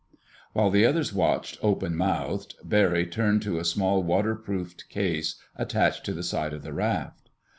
While the others watched, open mouthed, Barry turned to a small, waterproofed case attached to the side of the raft.